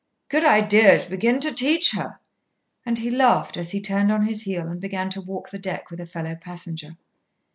"Good idea to begin to teach her." And he laughed as he turned on his heel and began to walk the deck with a fellow passenger.